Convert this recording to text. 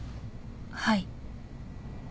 はい。